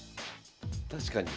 確かに。